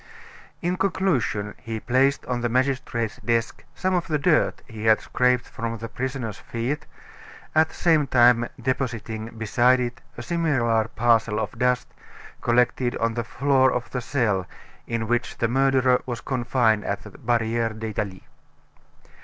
In conclusion, he placed on the magistrate's desk some of the dirt he had scraped from the prisoner's feet; at the same time depositing beside it a similar parcel of dust collected on the floor of the cell in which the murderer was confined at the Barriere d'Italie.